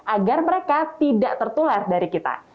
agar mereka tidak tertular dari kita